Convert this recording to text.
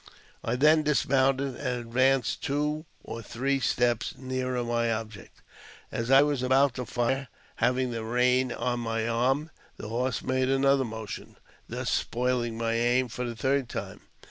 I then dismounted, and advanced two or three steps nearer my object. As I was about to fire, having the rein on my arm, the horse made another motion, thus spoiling my aim for the third time.